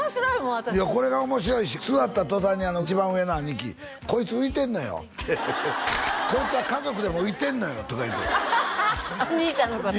私いやこれが面白いし座った途端に一番上の兄貴「こいつ浮いてんのよ」って「こいつは家族でも浮いてんのよ」とか言ってお兄ちゃんのこと？